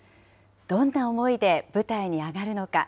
どんな思いで舞台に上がるのか。